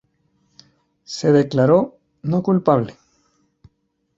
Se declaró "no culpable".